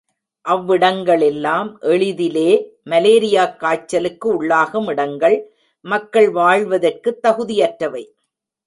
அவ்விடங்களெல்லாம், எளிதிலே மலேரியாக் காய்ச்சலுக்கு உள்ளாகும் இடங்கள், மக்கள் வாழ்வதற்குத் தகுதியற்றவை.